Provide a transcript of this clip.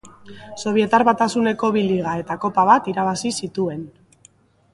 Sobietar Batasuneko bi liga eta kopa bat irabazi zituen.